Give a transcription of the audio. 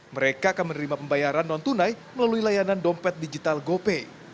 mereka akan menerima pembayaran non tunai melalui layanan dompet digital gopay